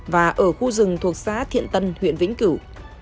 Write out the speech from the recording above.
và ở khu rừng thuộc xã thiện tân huyện vĩnh cửu